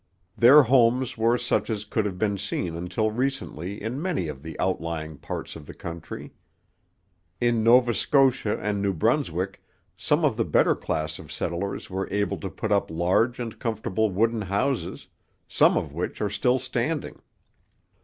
Their homes were such as could have been seen until recently in many of the outlying parts of the country. In Nova Scotia and New Brunswick some of the better class of settlers were able to put up large and comfortable wooden houses, some of which are still standing.